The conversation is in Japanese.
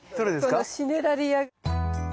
このシネラリア。